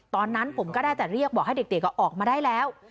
ตอนนั้นผมก็ได้แต่เรียกบอกให้เด็กออกมาได้แล้ว